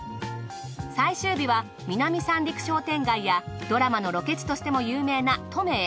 最終日は南三陸商店街やドラマのロケ地としても有名な登米へ。